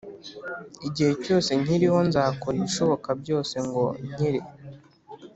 Igihe cyose nkiriho nzakora ibishoboka byose ngo nkire